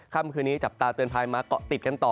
ค่ำคืนนี้จับตาเตือนภัยมาเกาะติดกันต่อ